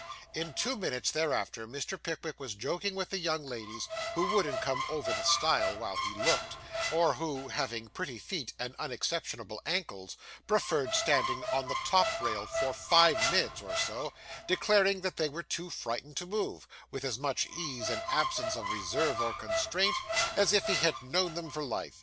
In two minutes thereafter, Mr. Pickwick was joking with the young ladies who wouldn't come over the stile while he looked or who, having pretty feet and unexceptionable ankles, preferred standing on the top rail for five minutes or so, declaring that they were too frightened to move with as much ease and absence of reserve or constraint, as if he had known them for life.